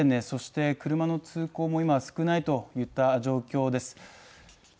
そして車の通行も今は少ないといった状況です。